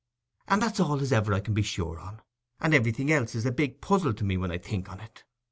And that's all as ever I can be sure on, and everything else is a big puzzle to me when I think on it.